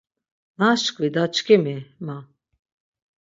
Naşkvi daçkimi !” ma.